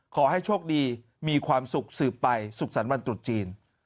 ขอให้โชคดีมีความสุขสืบไปสุขสรรค์วันตรุษจีน